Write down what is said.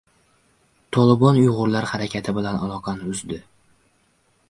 «Tolibon» uyg‘urlar harakati bilan aloqani uzdi